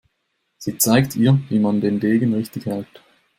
Sie zeigt ihr, wie man den Degen richtig hält.